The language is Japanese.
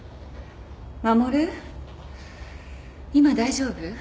衛今大丈夫？